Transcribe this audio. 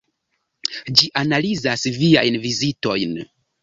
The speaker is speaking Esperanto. Ĝi analizas viajn vizitojn.